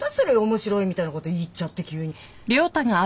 面白いみたいなこと言っちゃって急に。